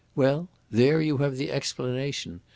Well, there you have the explanation.